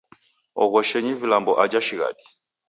Oghoshenyi vilambo aja shighadi.